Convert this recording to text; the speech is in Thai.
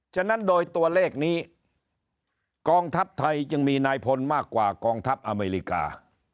ฉะนั้นโดยตัวเลขนี้กองทัพไทยจึงมีนายพลมากกว่ากองทัพอเมริกา